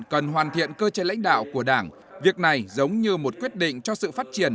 cần hoàn thiện cơ chế lãnh đạo của đảng việc này giống như một quyết định cho sự phát triển